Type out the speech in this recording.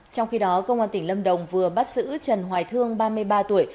trong khi đó công an tỉnh lâm đồng vừa bắt giữ trần hoài thương ba mươi ba tuổi